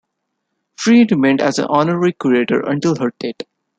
She remained an honorary curator until her death.